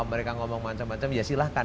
mereka ngomong macam macam ya silahkan